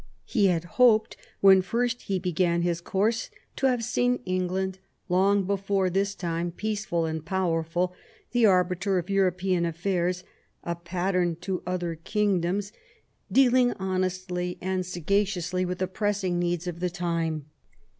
He had hoped, when first he began his course, to have seen England long before this time peaceful and powerful, the arbiter of European affairs, a pattern to other kingdoms, dealing 124 THOMAS WOLSEY chap. honestly and sagaciously with the pressing needs of the time.